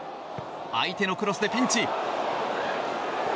相手のクロスでピンチ。